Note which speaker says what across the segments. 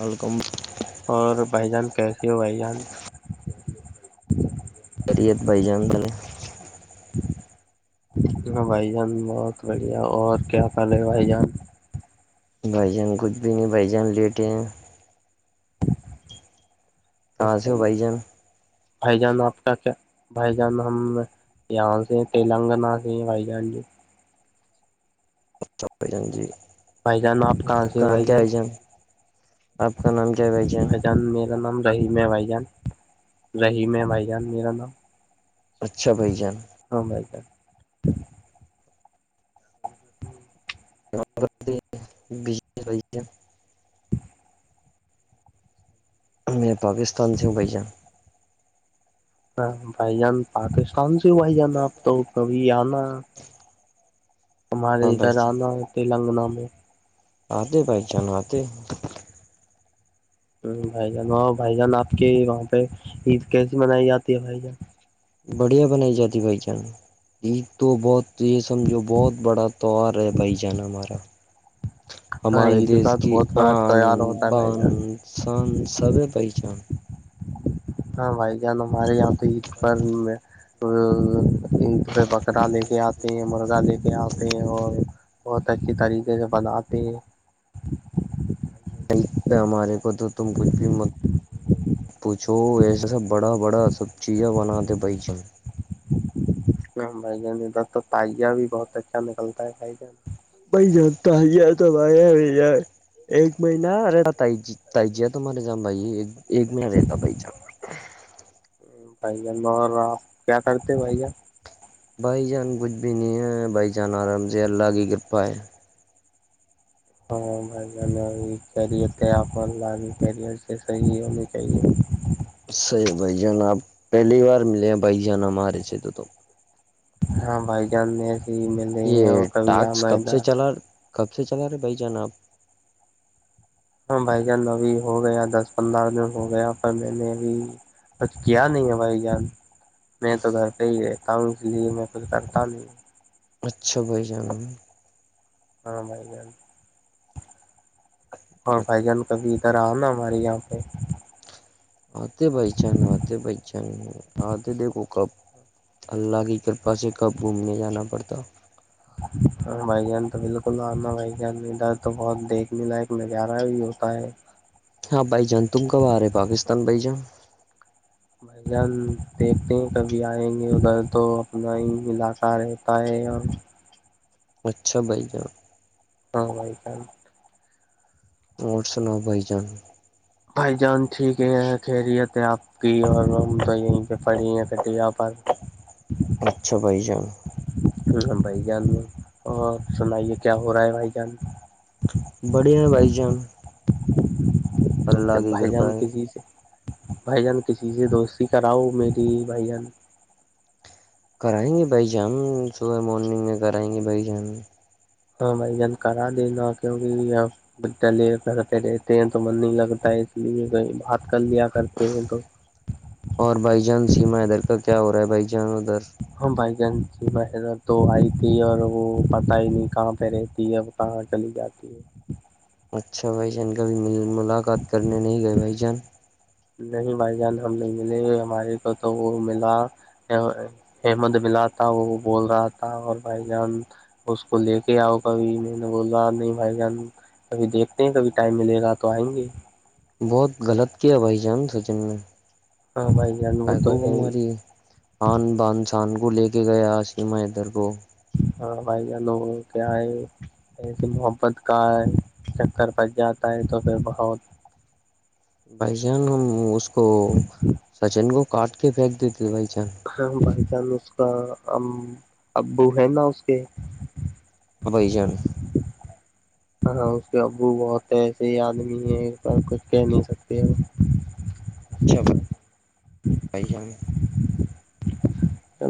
Speaker 1: welcome
Speaker 2: اور بھائی جان کیسے ہو بھائی جان
Speaker 1: بڑھیا بھائی جان
Speaker 2: ہاں بھائی جان بہت بڑھیا اور کیا حال ہے بھائی جان
Speaker 1: بھائی جان کچھ بھی نہیں بھائی جان لیتے ھی کہاں سے ہو بھائی جان
Speaker 2: بھائی جان آپ کا کیا بھائی جان ہم یہاں سے تلنگانہ سے بھائی جان
Speaker 1: ہاں بھائی جان جی
Speaker 2: بھائی جان آپ کہاں سے
Speaker 1: کا
Speaker 2: ہو
Speaker 1: نام
Speaker 2: بھائی
Speaker 1: کیا ہے
Speaker 2: جان
Speaker 1: آپ کا نام کیا ہے
Speaker 2: بھائی جان میرا نام رہیم ہے بھائی جان رحیم ہے بھائی جان میرا نام
Speaker 1: اچھا بھائی جان
Speaker 2: ہاں بھائی جان
Speaker 1: [unintelligible] میں پاکستان سے ہوں بھائی جان
Speaker 2: ہاں بھائی جان پاکستان سے بھائی جان آپ تو کبھی آنا
Speaker 1: ہاں
Speaker 2: ہمارے
Speaker 1: بھائی
Speaker 2: ادھر آنا ہے تلنگانہ میں
Speaker 1: آتےے بھائی جان آتے
Speaker 2: بھائی جان وہاں بھائی جان آپ کے وہاں پہ عید کیسی منائی جاتی ہے بھائی جان
Speaker 1: بڑھیا بنائی جاتی بھائی جان عید تو بہت تو یہ سمجھو بہت بڑا تہوار ہے بھائی جانا ہمارا
Speaker 2: ہاں
Speaker 1: ہمارے
Speaker 2: عید
Speaker 1: دیس
Speaker 2: کا تو
Speaker 1: کی
Speaker 2: بہت بڑا
Speaker 1: آن
Speaker 2: تیار ہوتا ہے بھائی
Speaker 1: بان
Speaker 2: جان
Speaker 1: سان سب ہے بھائی جان
Speaker 2: ہاں بھائی جان ہمارے یہاں تو عید پر عید پہ بکرا لے کے آتے ہیں مرغا لے کے آتے ہیں اور بہت اچھی طریقے سے بناتے ہیں
Speaker 1: ہیلتھ پہ ہمارے کو تو تم کچھ بھی م پوچو ایسا سب بڑا بڑا سب چیزیں بناتے بھائی جان
Speaker 2: ہاں بھائی جان ادھر تو تجیا بھی بہت اچھا نکلتا ہے بھائی جان
Speaker 1: [unintelligible] ایک مہین رہتا تی تجییا تو مارے جام بھائی ایک مہین رہتا ہے بھائی جان
Speaker 2: بھ اور آپ کیا کرتے بھائی جان
Speaker 1: بھائی جان کچھ بھی نہیں ہے بھائی جان آرام سے اللہ کی کرپا ہے
Speaker 2: ہاں م کیر تھ آپ لی کیریئر سے صحیح ہونی چاہیے
Speaker 1: صحیح بھائی جان آپ پہلی بار ملے ہیں بھائی جان ہمارے سے تو
Speaker 2: ہاں بھائی جان ایسے ھی مل
Speaker 1: یہ ٹاسک کب سے چلا کب سے چلا رہا ہے بھائی جان آپ
Speaker 2: ہاں بھائی جان ابھی ہو گیا دس پندرہ دن ہو گیا پھر میں نے ابھی کچھ کیا نہیں ہے بھائی جان میں تو گھر پہ ہی رہتا ہوں اس لیے میں کچھ کرتا نہیں ہوں
Speaker 1: اچھا بھائی جانا
Speaker 2: ہاں بھائی جان اور بھائی جان کبھی ادھر آؤ نا ہمارے یہاں پہ
Speaker 1: آتے بھائی چان آتے بھائی چان آتے دیکھو کب اللہ کے کی کرپا سے کب گھومنے جانا پڑتا
Speaker 2: ہ بھائی جان تو بالکل آنا بھائی جان ادھر تو بہت دیکھنے لائق نظارہ بھی ہوتا ہے
Speaker 1: ہاں بھائی جان تم کب آ رہے پاکستان بھائی جان
Speaker 2: بھائی جان دیکھتے ہیں کبھی آئیں گے ادھر تو اپنا ہی علاقہ رہتا ہے اور
Speaker 1: [unintelligible]
Speaker 2: ہاں بھائی جان
Speaker 1: اور سناؤ بھائی جان
Speaker 2: بھائی جان ٹھیک ہے خیریت ہے آپ پ اور ہم تو یہیں پہ پڑی ہیں کٹیا پر
Speaker 1: اچھا بھائی جان
Speaker 2: ہ بھائی جان اور سنائیے کیا ہو رہا ہے بھائی جان
Speaker 1: بڑے ہیں بھائی جان
Speaker 2: تو
Speaker 1: اللہ کی
Speaker 2: بھائی
Speaker 1: کرپا
Speaker 2: جان
Speaker 1: ہے
Speaker 2: کےسیی سے بھائی جان کسی سے دوستی کراؤ میری بھائی جان
Speaker 1: کرائیں گے بھائی ج ہم صبح مارننگ میں کرائیں گے بھائی جی ہم
Speaker 2: ہاں بھائی جان کرا دینا کیونکہ ب لے کرتے رہتے ہیں تو من نہیں لگتا ہے اس لیے کہ بات کر لیا کرتے ہیں تو
Speaker 1: اور بھائی جان سیما ادھر کا کیا ہو رہا ہے بھائی جان ادھر
Speaker 2: ہاں بھائی جان جی بحر تو آئی تھی اور وہ پتا ہی نہیں کہاں پہ رہتی اب کہاں چلی جاتی ہے
Speaker 1: اچھا بھائی جان کبھی ملاقات کرنے نہیں گئے بھائی جان
Speaker 2: نہیں بھائی جان ہم نہیں ملیں گے ہمارے کو تو وہ ملا احمد ملا تھا وہ بول رہا تھا اور بھائی جان اس کو لے کے آؤ کبھی میں نے بولا نہیں بھائی جان کبھی دیکھتے ہیں کبھی ٹائم ملے گا تو آئیں گے
Speaker 1: بہت غلط کیا بھائی جان سچن نے
Speaker 2: ہاں بھائی جان وہ تو
Speaker 1: ککو
Speaker 2: ہے ہی
Speaker 1: بماری [unintelligible] خان بان سان کو لے کے گیا سیما حدر کو
Speaker 2: اور بھائی جن جو کیا ہے ایسی محبت کا چکر پچ جاتا ہے تو پھر بہت
Speaker 1: بھائی چان ہم اس کو سچن کو کاٹ کے پھینک دیتے بھائی چان
Speaker 2: ہاں بائی چانس اس کا ابو ہے نا اس کے
Speaker 1: ا بائی جان
Speaker 2: ہاں اس کے ابو بہت ایسے ہی آدمی ہے پر کچھ کہہ نہیں سکتے وہ ڑہ [inaudible]
Speaker 1: اچھا بھائی جن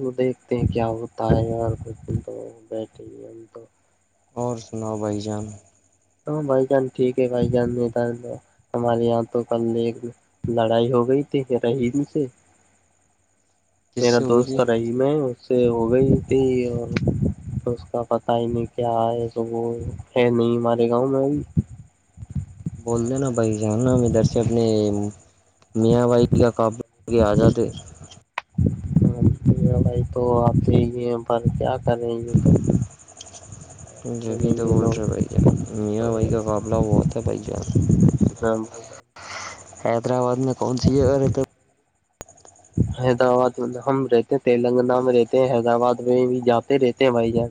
Speaker 2: وہ دیکھتے ہیں کیا ہوتا ہے یار تو بیٹھے ہی ہم تو
Speaker 1: اور سناؤ بھائی جان
Speaker 2: ہاں بھائی جان ٹھیک ہے بھائی جان نہیں ہمارے یہاں تو کل ایک لڑائی ہو گئی تھی رحیم سے
Speaker 1: کس
Speaker 2: میرا
Speaker 1: سے ہوئی تھی
Speaker 2: دوست رہیم ہے اس سے ہو گئی تھی اور تو اس کا پتا ہی نہیں کیاس وہ ہے نہیں ہمارے گاؤں میں ابھی
Speaker 1: بول دینا بھائی جاننا ادھر سے اپنے میاں بائی کا کاپی کی آزاد ہے
Speaker 2: ھ بھائی تو آپ سے ہی یہ پر کیا کریں یہے تو مانتے
Speaker 1: جبھی
Speaker 2: نہیں
Speaker 1: تو
Speaker 2: ہیں
Speaker 1: بولٹرے
Speaker 2: لوگ
Speaker 1: بھائی جان میاں بھائی کا قابلہ بہت ہے بھائی جان
Speaker 2: ہاں جان
Speaker 1: حیدرآباد میں کون سی ہے اور
Speaker 2: حیدرآباد میں ہم رہتے تلنگانہ میں رہتے ہیں حیدرآباد میں بھی جاتے رہتے ہیں بھائی جان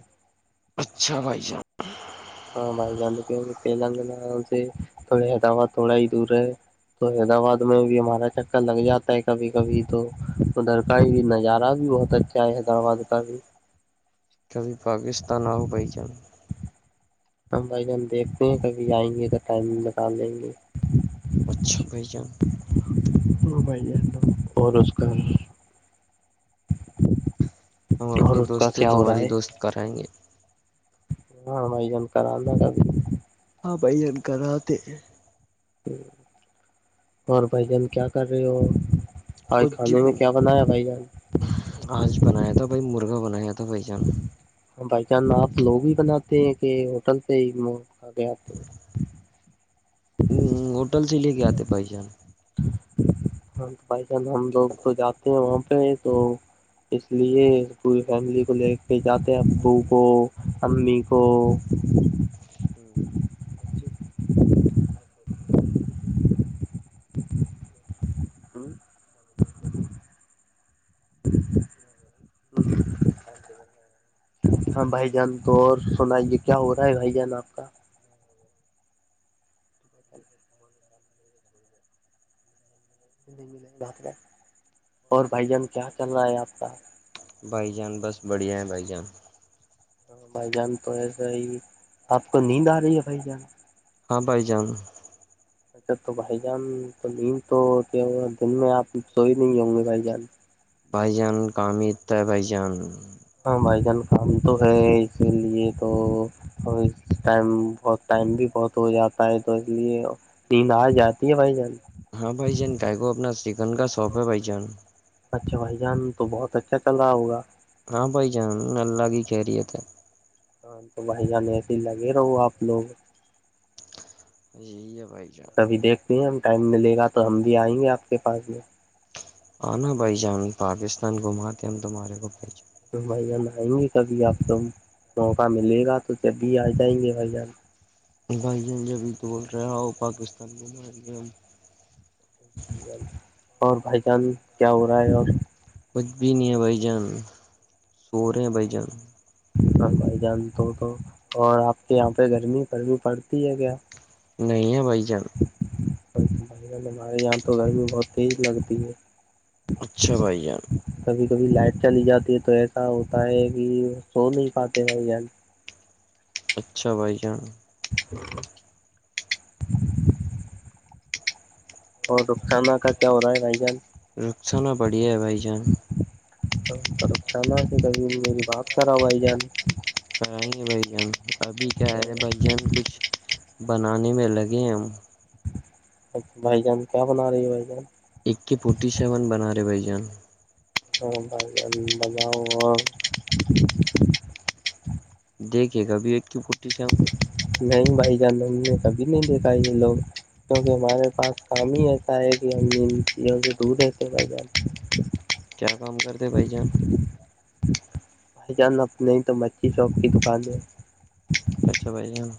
Speaker 1: اچھا بھائی جان
Speaker 2: ہاں بھائی جان تو کیونکہ تلنگانہ سے تو حیدرآباد تھوڑا ہی دور ہے تو حیدرآباد میں بھی ہمارا چکر لگ جاتا ہے کبھی کبھی تو ادھر کا ہی بھی نظارہ بھی بہت ا کیا ہے حیدرآباد کا بھی
Speaker 1: کبھی پاکستان آ ہو بھائی چان
Speaker 2: ہم بھائی ہم دیکھتے ہیں کبھی آئیں گے تو ٹائم نکال دیں گے
Speaker 1: اور چھا بھای جن
Speaker 2: ہ بھائی ہے اور اس کا ج [inaudible]
Speaker 1: ہم اپنی دوستیں تمہاری دوست کرائیں گے
Speaker 2: ہاں بھائی جن کران کبھی
Speaker 1: ہاں بھاجن کراتے
Speaker 2: اور بھائی جن کیا کر رہے ہو آج
Speaker 1: کج
Speaker 2: کھانے میں کیا بنایا بھائی جان
Speaker 1: آج بنایا تھا بھائی مرغا بنایا تھا بھائی جان
Speaker 2: ہاں بائی چان آپ لوگ ہی بناتے ہیں کہ ہوٹل پہ ہی آگ آتے
Speaker 1: ہوٹل سے لے کے آتے بھائی جان
Speaker 2: ہاں بائی چان ہم لوگ تو جاتے ہیں وہاں پہ تو اس لیے پوری فیملی کو لے کے جاتے ہیں ابو کو امی کو
Speaker 1: ہوں
Speaker 2: ہاں بھائی جان تو اور سنائیے کیا ہو رہا ہے بھائی جان آپ کا [inaudible] بات اور بھائی جان کیا چل رہا ہے آپ کا
Speaker 1: بھائی جان بس بڑھیا ہے بھائی جان
Speaker 2: تو بھائی جان تو ایسا ہی آپ کو نیند آ رہی ہے بھائی جان
Speaker 1: ہاں بائی جان
Speaker 2: [inaudible] اچا تو بھائی جان تو نیند تو دن میں آپ سو ہی نہیں ہوں گے بھائی جان
Speaker 1: بھائی جان کامت بھائی جان
Speaker 2: ہاں بھائی جان کام تو ہے اس کے لیے تو اور ٹائم بہت ٹائم بھی بہت ہو جاتا ہے تو اس لیے نیند آ جاتی ہے بھائی جان
Speaker 1: ہاں بائی جان کا کوو اپنا سکن کا شاپ ہے بھائی جان
Speaker 2: اچھا بھائی جان تو بہت اچھا چل رہا ہوگا
Speaker 1: ہاں بھ جان لگی کہریی ہے
Speaker 2: ہاں تو بھائی جان ایسے ہی لگے رہو آپ لوگ
Speaker 1: یہی ہے بھائی جان
Speaker 2: کبھی دیکھتے ہیں ہم ٹائم ملے گا تو ہم بھی آئیں گے آپ کے پاس میں
Speaker 1: آنا بھائی جان پاکستان گھماتے ہیں ہم تمہارے کو بھائی جان
Speaker 2: جان آئیں گے کبھی آپ تو موقع ملے گا تو جب بھی آ جائیں گے جان
Speaker 1: بھائی ہم ابھی تو بول رہے ہو پاکستان گھما رہیے ہم
Speaker 2: اور بھائی جان کیا ہو رہا ہے اور
Speaker 1: بھی نہیںیا بائی جان سوور بائی جان
Speaker 2: بھائی جان تو تو اور آپ کے یہاں پہ گرمی پر بھی پڑتی ہے کیا
Speaker 1: نہیں ہے بھائی جان
Speaker 2: ہمارے یہاں تو گھر بھی بہت تیز لگتی ہے
Speaker 1: اچھا بھائی جان
Speaker 2: کبھی کبھی لائٹ چلی جاتی ہے تو ایسا ہوتا ہے کہ سو نہیں پاتے ہیں
Speaker 1: اچھا بھائی ہاں
Speaker 2: [inaudible] [inaudible] اور کھانا کا کیا ہو رہا ہے بھائی جان
Speaker 1: رخس ہو نہا بڑھیا ہے بھائی جان
Speaker 2: کب میری باپ سرا ہوائی جان
Speaker 1: کرائیں گے بھ جان ابھی کیا ہے جان کچھ بنانے میں لگے ہم
Speaker 2: اچھا بھائی جان کیا بنا رہی ہے بھائی جان
Speaker 1: ایک کے فورٹی سیون بنا رہے بھائی جان
Speaker 2: بج ہو
Speaker 1: دیکھے گابھی ایک کی فٹی سے ہم
Speaker 2: نہیں بھائی جان نے کبھی نہیں دیکھا یہ لوگ کیونکہ ہمارے پاس کام ہی ایتا ہے کہ ہم نوں سے دور رہتے بھائی جان
Speaker 1: کیا کام کرتے بھائی جان
Speaker 2: بھائی جان اپ نہیں تو مچی شاپ کی دکان ہے
Speaker 1: اچھا بھائی ہاں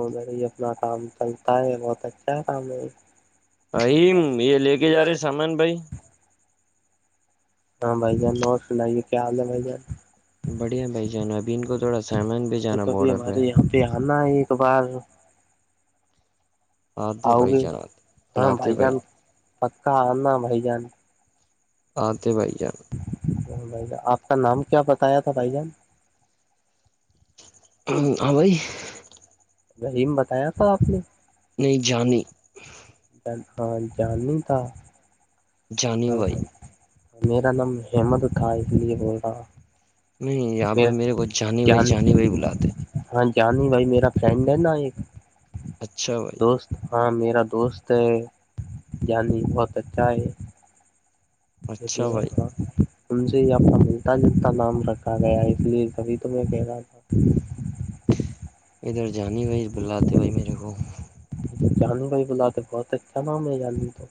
Speaker 2: ادھر ہی اپنا کام چلتا ہے بہت اچھا ہے کام ہے
Speaker 1: ای یہ لے کے جا رہے سامان بھائی
Speaker 2: ہاں بھائی جان اور سنائیے کیا حال ہے بھائی جان
Speaker 1: بڑھیا بھائی جانا ابھی ان کو تھوڑا سامان بھیہ جانا بارڈر پہ
Speaker 2: رحانہ ایک بار
Speaker 1: آتے
Speaker 2: آؤ
Speaker 1: بھائی
Speaker 2: گے
Speaker 1: جان آتے
Speaker 2: ہاں
Speaker 1: آتے
Speaker 2: بھائی جان پکا آنا بھائی جان
Speaker 1: ہاںتے بھ ج
Speaker 2: بھائی جان آپ کا نام کیا بتایا تھا بھائی جان
Speaker 1: ابائی
Speaker 2: ریم بتایا تھا آپ نے
Speaker 1: نہیں جانی
Speaker 2: جان ہاں جان نہیں تھا
Speaker 1: جانی بھائی
Speaker 2: م میرا نام حمد تھا اس لیے بول رہا ہ
Speaker 1: نہیں یہاں پہ میرے کو جنی بھائی ج بھائی بلاتے ہیں
Speaker 2: ہاں جانی بھائی میرا فرینڈ ہے نا ایک
Speaker 1: اچھا بھائی
Speaker 2: دوست ہاں میرا دوست ہے جنی بہت اچھا ہے ج
Speaker 1: اچھا بھائی
Speaker 2: ہاں ت سے یہ اپ متا جت کا نام رکھا گیا اس لیے کبھی تمہیں کہہ رہا تھا ہوں
Speaker 1: ادھر جانی بھائی بلاتے بھائی میرے کو
Speaker 2: جانو بھائی بولا تو بہت اچھا نا میں ج تو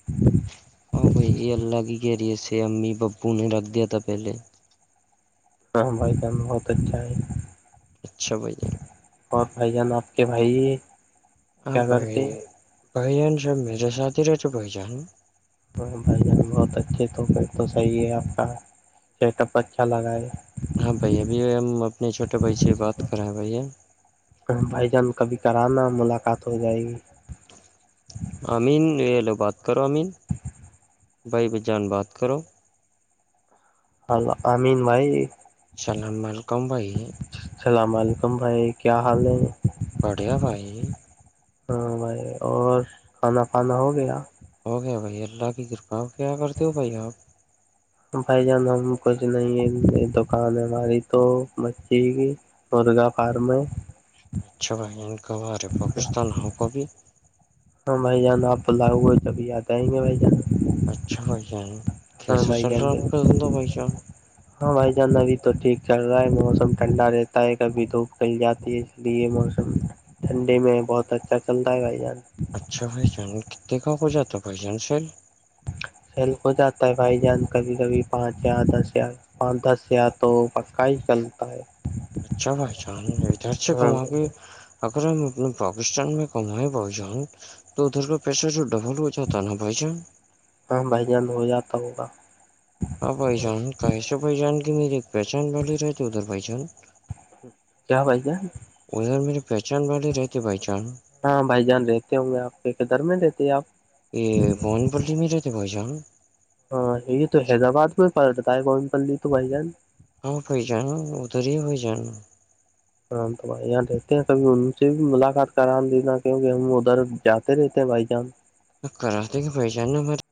Speaker 1: اورو بھائی اللہ کی کہہ رہی ہے سے امی پبپو نے رکھ دیا تھا پہلے
Speaker 2: ہاں بھائی جان بہت اچھا ہے
Speaker 1: اچ چھ بھیا
Speaker 2: اور بھائی جان آپ کے بھائی
Speaker 1: ہاں
Speaker 2: کیا
Speaker 1: بھائی
Speaker 2: کرتے
Speaker 1: بھائی جان سب میرے ساتھی رہ جوو بائی جان
Speaker 2: بھائی جان بہت اچھے تو پھر تو صحیح ہے آپ کا چیک اپ اچھا لگا ہے
Speaker 1: ہاں بھائییا ابھ ہم اپنے چھوٹے بھائی سے بات کر رہے ہیں بھیا
Speaker 2: بھائی جان کبھی کر نا ملاقات ہو جائے گی
Speaker 1: امین ہیلو بات کرو امین بھائی ب جان بات کرو
Speaker 2: ہلو امین بھائی
Speaker 1: السلام علیکم بھائی
Speaker 2: اللام علیکم بھائی کیا حال ہے
Speaker 1: پڑھیا بھائی
Speaker 2: ہاں بھائی اور کھانا پانا ہو گیا
Speaker 1: ہو گیا بھائی اللہ کی کرپا کیا کرتے ہو بھائی آپ
Speaker 2: [inaudible] بھائی جان ہم کچھ نہیں ہیں دکان ہے ہماری تو بچی کی مرغا فارم ہے
Speaker 1: اچھا بھائی ان کو کچ تو نہ کو بھی
Speaker 2: ہاں بھائی جان آپ بلاؤ گ جبھی آ جائیں گے بھائی جان
Speaker 1: اچھا بھائی جان
Speaker 2: ہاں
Speaker 1: کیسا
Speaker 2: بھائی
Speaker 1: چل رہا ہے
Speaker 2: جان
Speaker 1: آپ کا دھندہ بھائی چان
Speaker 2: ہاں بھائی جان ابھی تو ٹھیک چل رہا ہے موسم ٹھنڈا رہتا ہے کبھی دھوپ کل جاتی ہے یہ موسم ٹھنڈے میں بہت اچھا چلتا ہے بھائی جان
Speaker 1: اچھا بھ جان کتنے گ کو جات بھ جان سیل
Speaker 2: سیل ہو جاتا ہے بھائی جان کبھی کبھی پانچ زار دس ار پاں دس یا تو پکا ہی چلتا ہے
Speaker 1: اچھا بھائی جان ادھر سے
Speaker 2: ہاں
Speaker 1: گھما
Speaker 2: بھائی
Speaker 1: کے
Speaker 2: جان
Speaker 1: اگر ہم اپنے پاکستان میں کمائیں بہو جان تو ادھر کا پیسر جو ڈبل ہو جاتتا ہے نا بائی
Speaker 2: ہاں بھائی جان ہو جاتا ہوگا
Speaker 1: ہاں بائی جان کاسے پھ جان کہ می ایک پہچان والھلی رہتے ادھر پھ جان
Speaker 2: کیا بھ کیا
Speaker 1: ادھر میری پہچان والی رہتی بائی چانس
Speaker 2: ہاں بھائی جان رہتے ہوں گے آپ کے کے دھر میں رہتے آپ
Speaker 1: یہ بھوون پلٹی میرے تو بھسا ہ
Speaker 2: ہاں یہ تو حیدرباد میں پلتاتا ہے کون پ لی ت تو بھائی جان
Speaker 1: ہاں پ جانا ادھر ہی پ جانا
Speaker 2: ہ تو بھائی یہاں رہتے ہیں کبھی ان سے بھی ملاقات کرا دین کیونکہ ہم ادھر جاتے رہتے ہیں بھائی جان
Speaker 1: کراتے گ پیشان نہا مر